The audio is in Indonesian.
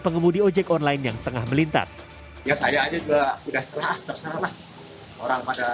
pengemudi ojek online yang tengah melintas ya saya aja juga udah setelah terserah mas orang pada